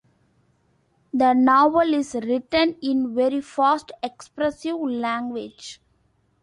The novel is written in very fast, expressive language.